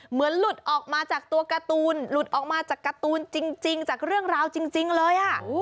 หลุดออกมาจากตัวการ์ตูนหลุดออกมาจากการ์ตูนจริงจากเรื่องราวจริงเลย